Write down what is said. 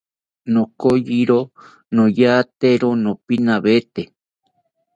Akoyori niyotero nopinawete